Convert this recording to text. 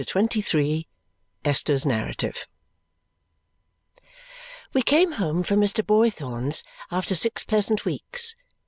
CHAPTER XXIII Esther's Narrative We came home from Mr. Boythorn's after six pleasant weeks.